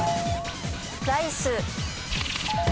ライス。